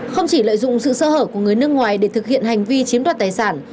không chỉ lợi dụng sự sơ hở của người nước ngoài để thực hiện hành vi chiếm đoạt tài sản